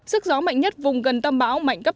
sức gió mạnh nhất vùng gần tâm bão